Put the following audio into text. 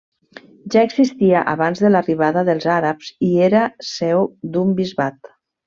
Ja existia abans de l'arribada dels àrabs i era seu d'un bisbat.